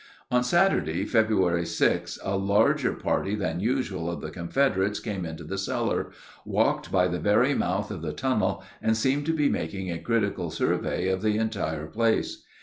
On Saturday, February 6, a larger party than usual of the Confederates came into the cellar, walked by the very mouth, of the tunnel, and seemed to be making a critical survey of the entire place.